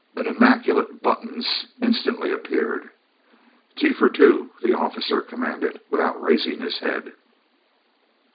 An immaculate "Buttons" instantly appeared. "Tea for two," the officer commanded, without raising his head.